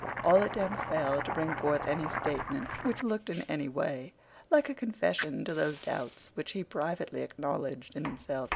All attempts failed to bring forth any statement which looked in any way like a confession to those doubts which he privately acknowledged in himself.